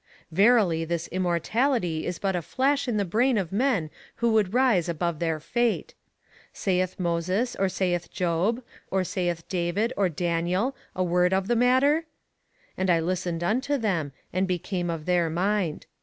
Verily, this immortality is but a flash in the brain of men that would rise above their fate. Sayeth Moses, or sayeth Job, or sayeth David or Daniel a word of the matter? And I listened unto them, and became of their mind.